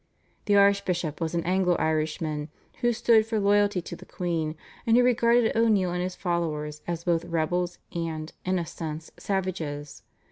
The archbishop was an Anglo Irishman, who stood for loyalty to the queen, and who regarded O'Neill and his followers as both rebels, and, in a sense, savages.